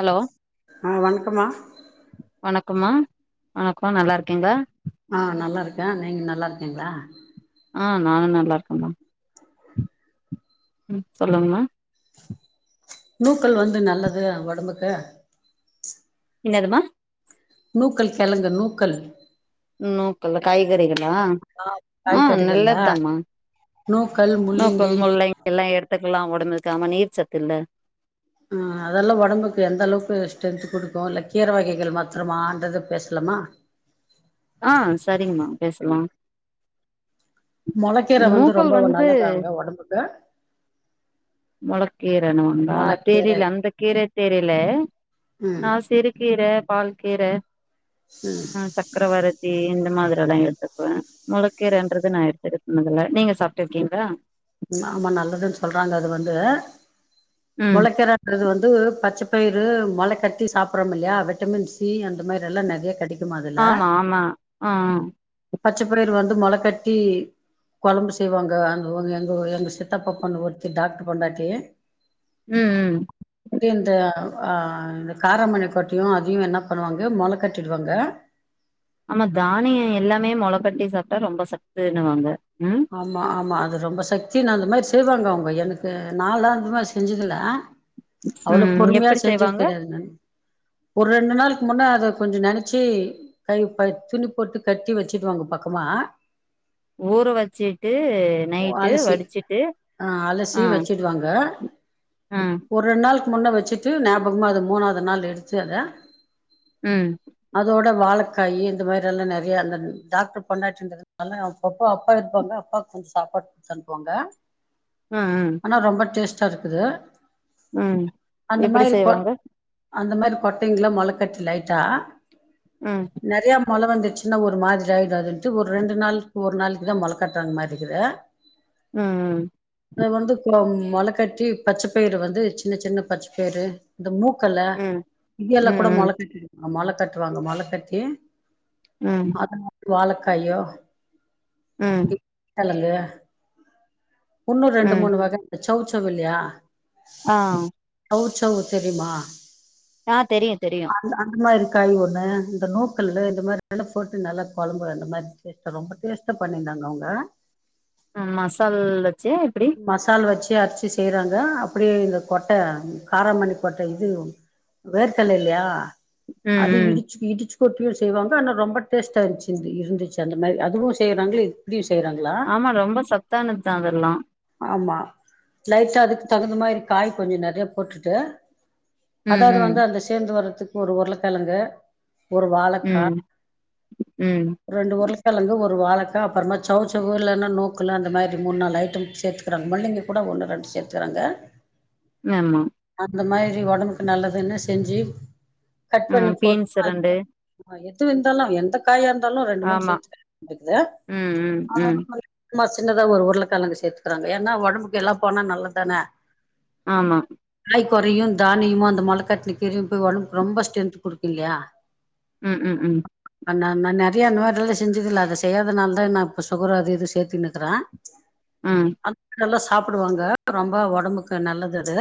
hello ஆ வணக்கமா வணக்கமா வணக்கம் நல்லா இருக்கீங்களா ஆ நல்லா இருக்கேன் நீங்க நல்லா இருக்கீங்களா ஆ நானு நல்லா இருக்கேன்ம்மா ம் சொல்லுங்கம்மா நூக்கல் வந்து நல்லது உடம்புக்கு எனதுமா நூக்கல் கிழங்கு நூக்கல் உ நூக்கல்ல காய்கறிகல்லா ஆ ஆ நல்லதமா நோகல் முள்ளிங்கி முல்லங்க எல்லா எடுத்துக்கெல்லா உடம்புக்காம நீர் சத்துல்ல ம் அதெல்லா உடம்புக்கு எந்த அளவுக்கு ஸ்ட்ரென்த் கொடுக்கும் இல்லை கீரை வகைகள் மாத்திரமா அந்த இத பேசலாமா ஆ செரிங்கம்மா பேசலா மொளக்கீரை வந்து நூக்கல் ரொம்ப வந்து நல்லதாங்க உடம்புக்கு மொளக்கீரைனவாங்களா மொளக்கீரை தெரியல அந்த கீரை தெரியல ம் நா செரி கீர பால் கீர ஆ சக்கரவரது கி இந்த மாதிரி எல்லா எடுத்துக்குவேன் முளக்கீரைன்றது நான் எடுக்கிட்டு தின்னதுயில்ல நீங்க சாப்பிட்டு இருக்கீங்களா ஆமா நல்லதுன்னு சொல்றாங்க அது வந்து ம் முளைக்கீர ன்றது வந்து பச்சப்பயிறு மொளை கட்டி சாப்படுறோம் இல்லையா விட்டமின் சி அந்த மாதிரி எல்லா நெறையா கெடைக் குமா அதுல ஆமா ஆமா ஆ பச்ச பயிர் வந்து மொள கட்டி குழம்பு செய்வாங்க அங்க இவங்க ஓ எங்க சித்தப்ப பொண்ணு ஒருத்தி டாக்டர் பொண்டாட்டி ம் ம் அது இந்த அ இந்த காரமணி கொட்டும் அதையு என்ன பண்ணுவாங்க மொள கட்டிடுவாங்க ஆமா தானியம் எல்லாமே முள கட்டி சாப்பிட்டா ரொம்ப சத்துண்ணுவாங்க ம் ஆமா ஆமா அது ரொம்ப சக்தின்னு அந்த மாரி செய்வாங்க அவங்க எனக்கு நாயெல்லா அந்த மாரி செஞ்சதுல்ல அவ்ளோ ம் பொறுமையா எப்டி செஞ்சது செய்வாங்க கிடையாது நானு ஒரு ரெண்டு நாளுக்கு முன்னே அத கொஞ்சோ நெனச்சு கழுவி பாதி துணி போட்டு கட்டி வச்சுக்குவாங்க பக்கமா ஊற வச்சுட்டு ஓ அலசி ஆ ஆ அலசி வச்சுடு வாங்க ஆ ஒரு ரெண்டு நாளுக்கு முன்ன வச்சிட்டு ஞாபகமாக அது மூணாவது நாள் எடுத்து அத ம் அதோட வாழக்காயி இந்த மாதிரி எல்லா நெறையா அந்த டாக்டர் பொண்டாடின்றதுனால அப்பப்போ அப்பா எடுத்துப்பாங்க அப்பாக்கு கொஞ்சோ சாப்பாடு குடுத்து அனுப்புவாங்க ம் ம் என்ன ரொம்ப டேஸ்டா இருக்குது ம் அந்த எப்டி மாரி போட் செய்வாங்க அந்த மாரி கொட்டைங்கல்லா மொளக்கட்டி லைட்டா ம் நறையா மொழ வந்துடுச்சுன்னா ஒரு மாதிரி ஆயிடும் அதுட்டு ஒரு ரெண்டு நாள்கு ஒரு நாள்க்கு இதா மொள கட்டுறாங்க மாரிருக்குது ம் ம் அன்னைக்கி வந்து மொளக்கட்டி பச்சபயிறு வந்து சின்னச்சின்ன பச்ச பயிறு இந்த மூக்கல்ல ம் இது எல்லா ம் கூட மொழ கட்டிருவாங்க மொழ கட்டுவாங்க மொழ கட்டி ம் அது மாதிரி வாழக்காயோ ம் கெழங்கு இன்னு ரெண்டு ம் மூணு வகை சௌ செள இல்லையா ஆ சவ் சவ்வு தெரியுமா ஆ தெரியு தெரியு அந்த அந்த மாரி காய் ஒண்ணு இந்த நூக்கல்லுல இந்த மாரி நல்லா போட்டு நல்லா கொழம்பு வெந்த மாதிரி நேத்து ரொம்ப டேஸ்டா பண்ணியிருந்தாங்க அவுங்க ம் மசால் வச்சியா எப்டி மசால் வச்சு அரச்சு செய்யறாங்க அப்டியே இந்த கொட்டை காரமணி கொட்டை இது வேர்க்கடல இல்லையா ம் அது ம் இடிச்சு இடிச்சு கொட்டியு செய்வாங்க ஆனா ரொம்ப டேஸ்டாயிருச்சு இது இருந்துச்சு அந்த மாதிரி அதுவு செய்யறாங்க இப்டியு செய்யிறாங்களா ஆமா ரொம்ப சத்தானது தா அதெல்லா ஆமா லைட்டா அதுக்கு தகுந்த மாதிரி காய் கொஞ்சோ நறையா போட்டுட்டு ம் அதாது ம் வந்து அந்த சேர்ந்து வர்றதுகு ஒரு உருளைக்கெழங்கு ஒரு வாழக்கா ம் ம் ரெண்டு உருளக்கெழங்கு ஒரு வாழக்கா அப்புறமா சௌ செளவு இல்லைன்னா நூக்கலு அந்த மாதிரி முனு நாலு ஐட்டம் சேர்த்துக்கறாங்க முள்ளங்கி கூட ஒன்னு ரெண்டு சேத்துகுறாங்க ஆமா அந்த மாதிரி ஒடம்புக்கு நல்லதுனு செஞ்சி கட் பண்ணி ம் பீன்ஸ் ரெண்டு போட்டுருவாங்க ஆ எத்தின இருந்தாலு எந்த காயா இருந்தாலு ரெண்டு மூணு ஆமா சேர்த்திப்பே வேண்டியது ம் ம் ம் சும்மா சின்னதா ஒரு உருளைக்கெழங்கு சேத்துக்கிறாங்க ஏனா ஒடம்புக்கு எல்லா போனா நல்லதுதான ஆமா காய்க கொறையு தானியமு அந்த மொளக்கட்டுன கீரையு போய் ஒடம்புக்கு ரொம்ப ஸ்டென்த் கொடுக்கு இல்லையா ம் ம் ம் ஆ நா நறையா அந்தமாரிலா செஞ்சதுல்ல அத செய்யாதனால தா நா இப்ப சுகரு அது இது சேத்துனுக்கிறே ம் அந்த மாதிரில்லா சாப்பிடுவாங்க ரொம்ப ஒடம்புக்கு நல்லது அது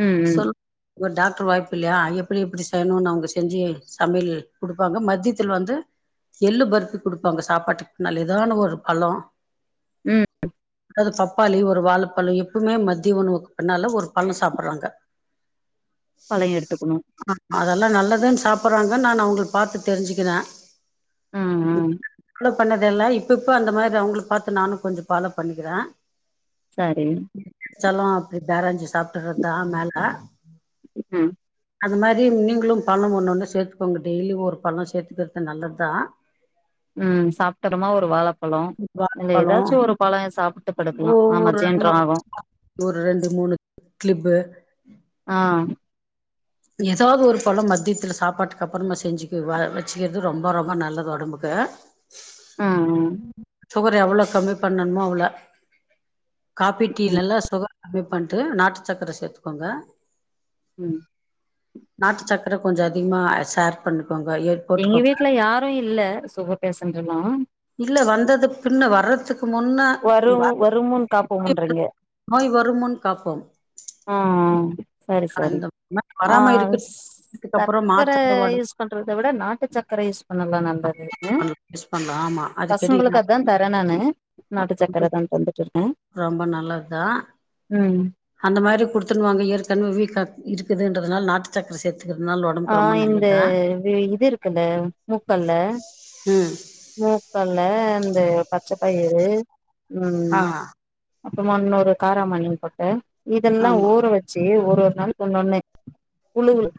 ம் ம் சொல் உங்க டாக்டர் வாய்ப்பு இல்லயா எப்டி எப்டி செய்யணும்னு அவங்க செஞ்சு சமையல் கொடுப்பாங்க மத்தியத்தில் வந்து எள்ளு பர்ப்பி கொடுப்பாங்க சாப்பாட்டுக்கு முன்னால எதனால ஒரு பழம் ம்ம் அது பப்பாளி ஒரு வாழைப்பழ எப்பவுமே மத்திய உணவுக்கு பின்னால ஒரு பழ சாப்டுறாங்க பழ எடுத்துக்கணும் அதெல்லா நல்லதுன் சாப்டுறாங்க நா அவுங்கள பாத்து தெரிஞ்சுக்கிற அ அ ஃபில்லப் பண்ணதெல்லாம் இப்ப இப்ப அந்த மாரி அவுங்கள பாத்து நான கொஞ்ச ஃபாலோ பண்ணிக்கிற செரி செல்லம் அப்டி பேரஞ்சி சாப்ட்டுறதுதானால ம் அது மாரி நீங்களும் பழம் ஒன்னு ஒன்னு சேத்துக்கோங்க டெய்லியு ஒரு பழம் சேத்துக்கிறது நல்லது தா ம் சாப்ட்ட அப்பறமா ஒரு வாழைப்பழம் இல்ல வாழப்பழம் ஏதாச்சு ஒரு பழ சாப்ட்டு படுக்கலா ஆமா ஒவ்வொரு ஜீன்ராகும் க்ளிப்பு ஆ ஏதாது ஒரு பழம் மத்தியத்தில சாப்பாட்டுக்கு அப்றமா செஞ்சுக்க வ வச்சுக்கிறது ரொம்ப ரொம்ப நல்லது ஒடம்புக்கு ம் சுகர் எவ்வள கம்மி பண்ணணுமோ அவளோ காபி ம் டீலல்லா சுகர் கம்மி பண்ணிட்டு நாட்டு சக்கர சேத்துக்கோங்க ம் நாட்டு சக்கர கொஞ்ச அதிகமா ஷேர் பண்ணிக்கோங்க எ எங்க வீட்ல யாரு இல்ல சுகர் பேசன்ட்ல்லா இல்ல வந்தது பின்ன வர்றதுக்கு முன்ன வரும் வருமுன் [unintelligible] காப்போமுன்றீங்க நோய் வரும்முன் காப்போம் அ அ செரி செரி அந்த மாரி ஆ வராம இருக்குது அதுக்கப்புறோ சக்கர மாத்திர யூஸ் பண்றத விட நாட்டு சக்கர யூஸ் பண்ணா நல்லா நல்லது யூஸ் பண்லா ஆமா அதுக்கடி பசங்களுக்கு அதா தர நானு நாட்டு சக்கர தா தந்துட்டு இருக்க ரொம்ப நல்லதுதா ம் அந்த மாரி குடுத்துனுவாங்க ஏற்கனவே வீக்கா இருக்குதுறதுனால நாட்டு சக்கர சேர்த்து சேர்த்திருக்கிறது நாள உடம் ஆ இந்த இது இருக்குல்ல மூக்கல்ல ம் மூக்கல்ல இந்த பச்ச பயிறு ம் ஆ அப்றமா வந்து இன்னொரு கார மணி போட்டு இதெல்லா ஆமா ஊர வச்சி ஒரு ஒரு நாள் ஒண்ணோனு புலு உலு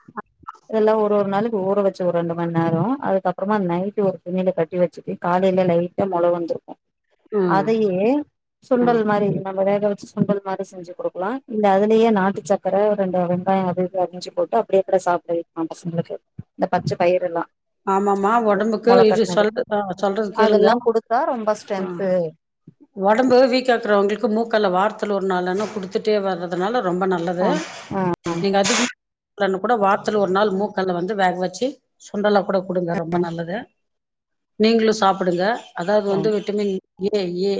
இதெல்லா ஒருஒரு நாளைக்கு ஊற வச்சு ஒரு ரெண்டு ம நேர அதுக்கப்றமா நைடு ஒரு துணில கட்டி ட்டி வச்சுட்டு காலையில லைட்டா மொள வந்திருக்கு ம் அதையே ம் சுண்டல் மாரி நம்ம வேக வச்சு சுண்டல் மாரி செஞ்ச சு கொடுக்கலா இல்ல அதுலேயே நாட்டு சக்கர ரெண்டு வெங்காய அது அறிஞ்சு போட்டு அப்டியே கூட சாப்டவெக்கலா பசங்களுக்கு இந்த பச்ச பயிர எல்லா ஆமாமமா உடம்புக்கு இது சொல் சொல்றது கேளுங்க அதெல்லா குடுத்தா ரொம்ப ஆ ஸ்ட்ரென்த்து ஒடம்பு வீக்காகுறவங்களுக்கு மூக்கல்ல வார்த்தல ஒரு நாள் நா குடுத்துட்டே வர்றதுனால ரொம்ப நல்ல நல்லது ஆ நீங்க அதிகமா குடுகலனா கூட வார்த்தல ஒரு நாள் மூக்கல்ல வந்து வேக வச்சு சுண்டல கூட குடுங்க ரொம்ப நல்லது நீங்களு சாப்டுங்க அதாது சரி வந்து விட்டமின் ஏ ஏ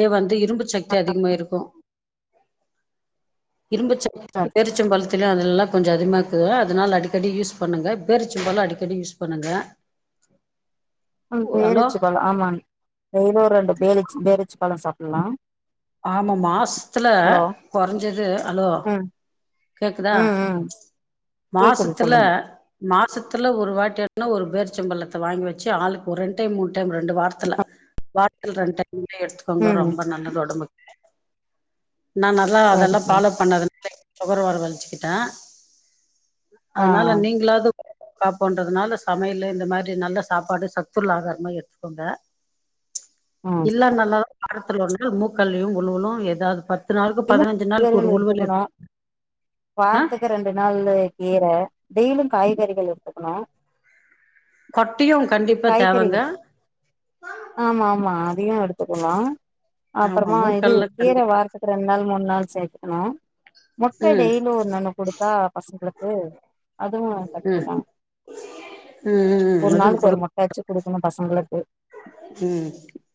ஏ வந்து இரும்பு சக்தி அதிகமா இருக்கு இரும்பு சத்து சரி பேரிச்சம்பழம் துல அதிலெல்லா கொஞ்ச அதிகமா இருக்கு அதனால அடிக்கடி யூஸ் பண்ணுங்க பேரிச்சம்பழம் அடிக் கடி யூஸ் பண்ணுங்க ம் ஒரு ஹலோ பேரச்சி பழம் ஆமாங்க டெய்லியு ஒரு ரெண்டு பேரி பேரச்சி பேரிச்சம்பழம் சாப்லா ஆமா மாசத்துல கொறஞ்சது ஹலோ ம் கேக்குதா ம் ம் கேக்குது மாசத்துல சொல்லுங்க மாசத்துல ஒரு வாட்டி ஆனா ஒரு பேர்ச்சம்பழத்த வாங்கி வச்சி ஆளுக்கு ஒரு ரெண்டு டைம் மூணு டைம் ரெண்டு வாரத்துல வாரத்துல ரெண்டு டைம் எடுத்துக்கோங்க ம் ரொம்ப நல்லது ஒடம்புக்கு நா நல்லா சரி அதெல்லா சரி ஃபாலோ பண்ணது சுகர் வர வழிச்சிக்கிட்டே ஆ அதனால நீங்களாது பாப்பேன்றதுனால சமையலு இந்த மாரி நல்ல சாப்பாடு சத்துள்ள ஆகாரமா எடுத்துக்கோங்க ஆ எல்லா நல்லாதா வாரத்துல ஒரு நாள் மூக்கடலையு உலுவலு ஏதாவது பத்து நாளுக்கு இல்ல பதினஞ்சி நாளுக்கு ஒரு கீரைகள் உலுவல் எடுத் எடுத்துக்கணு வாரத்துக்கு ரெண்டு நாள் கீர டெய்லியு காய்கறிகள் எடுத்துக்கணு கட்டியு கண்டிப்பா தேவைங்க காய்கறிகள் ஆமா ஆமா அதயு எடுத்துக்கனு ஆமா அப்றமா இது மூக்கல்ல கீரை கண்டி வாரத் துல ரெண்டு நாள் மூணு நாள் சேத்துக்கணு முட்டை ம் டெய்லி ஒன்னு ஒன்னு குடுத்தா பசங்களுக்கு அதுவு சக்தி ம் தா ம் ம் ம் ஒரு அது நாளுக்கு கொடு ஒரு முட்ட வச்சி குடுக்கணு பசங்களுக்கு ம்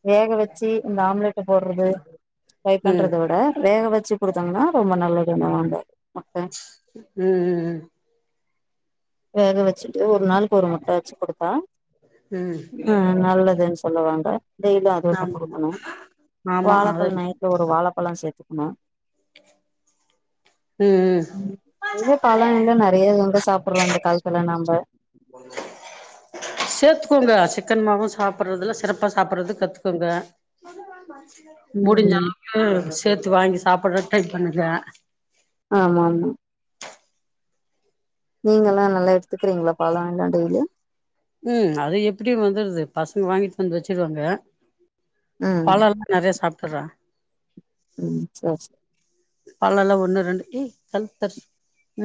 வேக வச்சி இந்த ஆம்லேட்ட போட்றது ஃப்ரை ம் பண்றது அதா வேக வச்சி குடுத்தாங்கன்னா ரொம்ப நல்லதுன்னு வாங்க முட்ட ம் ம் ம் வேக வச்சிட்டு ஒரு நாளுக்கு ஒரு முட்ட வச்சி குடுத்தா ம் ம் நல்லது சொல்லுவாங்க டெய்லியு அது ஒன்னு ஆமா குடுக்கணு ஆமா அது வாழைப்பழம் ம் நைட் ஒரு வாழைப்பழ சேர்த்துக்கணு ம் ம் எங்க பழம் எல்லா நெறையா எங்க சாப்ட்றோ இந்த காலத்துல நம்ப சேத்துக்கோங்க சிக்கன் மாவு சாப்ட்றதுல சிறப்பா சாப்ட்றது கத்துக்கோங்க முடிஞ்ச ம் அளவுக்கு சேத்து வாங்கி சாப்ட்றக்கு ட்ரை பண்ணுங்க ஆமா ஆமா நீங்கல்லா நல்லா எடுத்துக்கிறீங்களா பழ எல்லா டெய்லி ம் அது எப்டி வந்துர்து பசங்க வாங்கிட்டு வந்து வச்சிருவாங்க ம் பழல்லா நெறையா சாப்ட்டுர்றே ம் சேர் சேர் பழல்லா ஒண்ணு ரெண்டு ஏ தள்ளு தள்ளு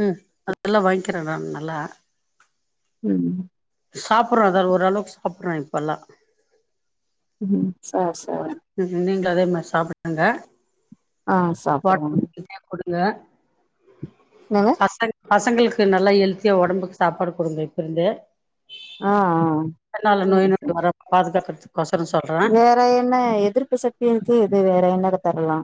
ம் அதெல்லா வாங்கிக்கிறே நானு நல்லா ம் சாப்ட்றோ அத ஓரளவுக்கு சாப்ட்றோ இப்பல்லா ம் சாப்டு சாப்டு நீங்க அதே மாரி சாப்பிடுங்க ஆ சாப்புடுவோங்க கேப் வுடுங்க என்னங்க பசங்க பசங்களுக்கு நல்லா ஹெல்த்தியா உடம்புக்கு சாப்பாடு கொடுங்க இப்ப இருந்தே ஆ ஆ அனால சரி நோய் நா சரி வராம பாதுகாக்கருத்துக்கு கொசர சொல்றே வேற என்ன எதிர்ப்பு சக்தி இருக்கு இது வேற என்னக்கு தர்லா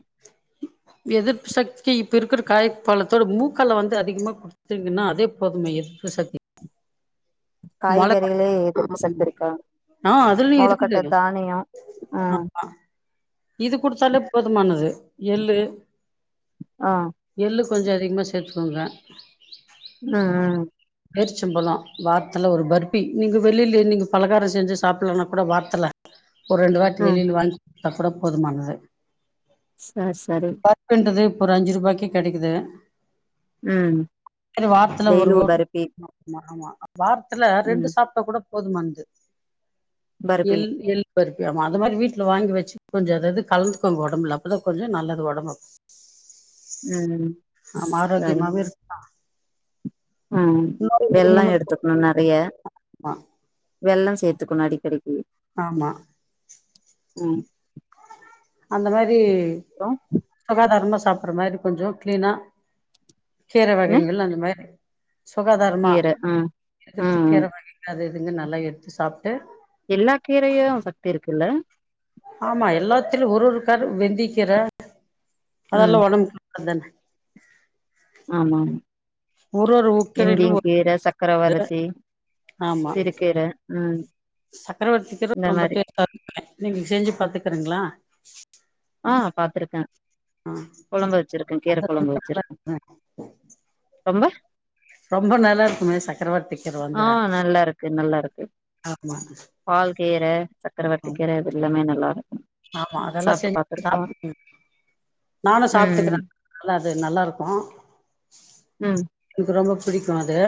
எதிர்ப்பு சக்திக்கு இப்ப இருக்குற காய பாலத்தோடு மூக்கால வந்து அதிகமா கொடு திங்கன்னா அதே போதுமே எதுர்க்ற சக்தி மொளகா காய்கறிகளே எதிர்ப்பு ஆம் சக்தி இருக்கோ ஆ அதுல்லியு இருக்குது ஆ ஆமா இது குடுத்தாலே போதுமானது எள்ளு ஆ எள்ளு கொஞ்சோ அதிகமா சேத்துக்கோங்க ம் ம் பேர்ச்சம்பழம் வார்த்துல ஒரு பர்ப்பி நீங்க வெளியில நீங்க பலகாரோ செஞ்சு சாப்புட்லனா கூட வார்த்துல ஒரு ரெண்டு வாட்டி ம் வெளியில வாங்குடுத்தா கூட போதுமானது சார் சரி பர்புன்றது இப்போ ஒரு அஞ்சு ரூபாய்க்கி கெடைக்குது ம் செரி வார்த்தல ஒரு டெய்லி ஓ பருப்பி ஆமா ஆமா வார்த்துல ரெண்டு ம் சாப்டா கூட போதுமான்ந்து பருப்பி எள் எள் பெர்ப்பியாமா அந்த மாரி வீட்ல வாங்கி வச்சு கொஞ்சோ அததுக லந்துக்கோங்க ஒடம்புல அப்பதா கொஞ்சோ நல்லது ஒடம்பு ம் ஆமா சரி ஆரோக்கியமாவே இருக்லா ம் வெல்லோ வருமுன்னும் எட்த்துக்குணு நெறைய ஆமா வெள்ளம் சேத்துக்கணு அடிக்கடிக்கி ஆமா உம் அந்த மாரி அப்றோ சுகாதாரமா சாப்பிட்ற மாரி கொஞ்சோ கிளீனா கீர என்ன வகைங்கள் அந்த மாரி சுகாதாரமா கீர ம் எதச்சு ம் ம் கீர வக அது எதுங்கு நல்லா எடுத்து சாப்ட்டு எல்லா கீரையு சக்தி இருக்குல்ல ஆமா எல்லாத்துலயு ஒரு ஒருக்கரு வெந்திக்கீற ம் அதெல்லா ஒடம்புக்கு நல்லது ஆமாம் ஒரு ஒரு கீரையிலு இந்திங் ஒரு கீர இது சக்கரவருதி சிறுகீர உம் சக்கரவர்த்திக்கீர ரொம்ப டேஸ்டா இருக்குமே நீங்க செஞ்சு பாத்துக்கறீங்களா ஆ பாத்தருக்கே ஆ கொழம்பு வச்சிருக்கே கீர அது ரொம்ப கொழம்பு நல்லா வச்சுருக் இருக்குமே ரொம்ப ரொம்ப நல்லா இருக்குமே சக்கரவர்த்தி கீர வந்து ஆ நல்லா இருக்கு நல்லா இருக்கு ஆமா பால் கீர சக்கரவர்த்தி கீர இது எல்லாமே நல்லா இருக்கு ஆமா அதெல்லா சாப்ட்டு செஞ்சு பாத்துருக்கோ சாப் நானு சாப்ட்டுக்கிற ம் நல்லா அது நல்லாருக்கு ம் எனக்கு ரொம்ப புடிக்கு அது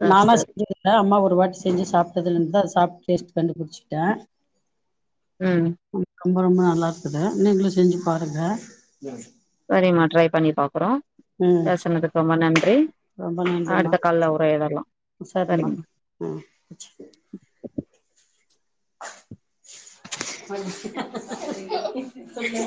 சர் நானா சரி செஞ்சதில்ல அம்மா ஒரு வாட்டி செஞ்சு சாப்ட்டதுல இருந்து அத சாப்ட்டு டேஸ்ட் கண்டுபுடிச்சுக்கிட்டே ம் ரொம்ப ரொம்ப நல்லா இருக்குது நீங்களு செஞ்சு பாருங்க சரிமா ட்ரை பண்ணி பாக்கறோ ம் பேசனதுக்கு ரொம்ப நன்றி ரொம்ப நன்றிம்மா அடுத்த காள்ள உரையாடல்லா உஷாரும்மா சரிங்க ம் ச்செரி [inaudible]